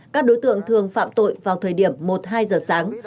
các đối tượng thường phạm tội vào thời điểm một hai giờ sáng